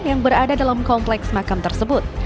yang berada dalam kompleks makam tersebut